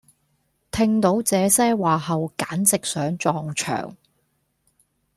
聽到這些話後簡直想撞牆